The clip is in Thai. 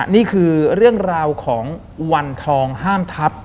นี่คือเรื่องราวของวันทองห้ามทัพ